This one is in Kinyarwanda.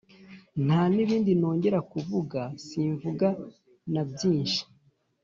nta n’ibindi nongera kuvuga, simvuga na byinshi.